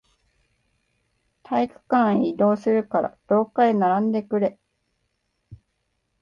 体育館へ移動するから、廊下へ並んでくれ。